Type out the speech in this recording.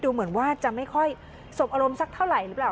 ดูเหมือนว่าจะไม่ค่อยสบอารมณ์สักเท่าไหร่หรือเปล่า